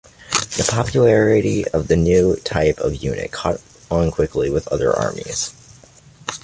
The popularity of the new type of unit caught on quickly with other armies.